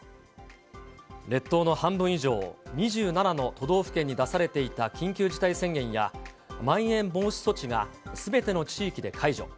列島の半分以上、２７の都道府県に出されていた緊急事態宣言やまん延防止措置が、すべての地域で解除。